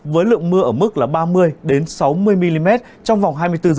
với lượng mưa ở mức ba mươi sáu mươi mm trong vòng hai mươi bốn h